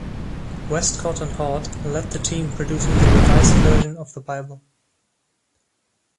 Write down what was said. Westcott and Hort led the team producing the Revised Version of the Bible.